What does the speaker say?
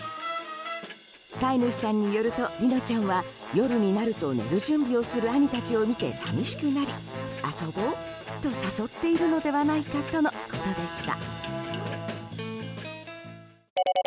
飼い主さんによるとリノちゃんは、夜になると寝る準備をする兄たちを見て寂しくなり遊ぼうと誘っているのではないかとのことでした。